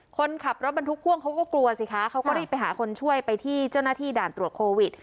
คนขับรถบรรทุกพ่วงเขาก็กลัวสิคะเขาก็รีบไปหาคนช่วยไปที่เจ้าหน้าที่ด่านตรวจโควิด